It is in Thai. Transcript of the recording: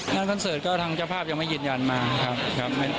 คอนเสิร์ตก็ทางเจ้าภาพยังไม่ยืนยันมาครับ